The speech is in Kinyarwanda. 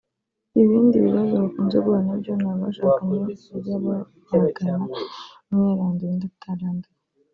Ibindi bibazo bakunze guhura nabyo ni abashakanye bajya babagana umwe yaranduye undi ataranduye